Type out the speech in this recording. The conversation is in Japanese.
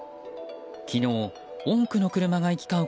昨日、多くの車が行き交う